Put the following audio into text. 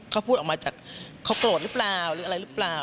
เขาพูดออกมาจากเขาโกรธหรือเปล่าหรืออะไรหรือเปล่า